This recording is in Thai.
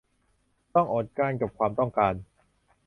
ต้องอดกลั้นกับความต้องการ